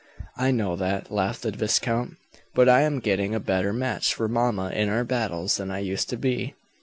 "I know that," laughed the viscount. "But I am getting a better match for mamma in our battles than I used to be."